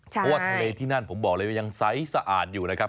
เพราะว่าทะเลที่นั่นผมบอกเลยว่ายังใสสะอาดอยู่นะครับ